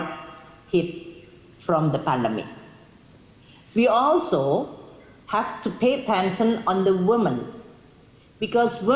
karena perempuan memiliki peran yang penting dalam pembangunan ekonomi